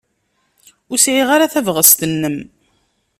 Ur sɛiɣ ara tabɣest-nnem.